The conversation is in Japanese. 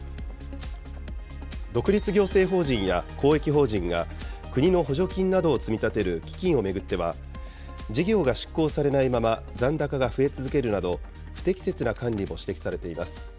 独立行政法人や公益法人が、国の補助金などを積み立てる基金を巡っては、事業が執行されないまま、残高が増え続けるなど、不適切な管理も指摘されています。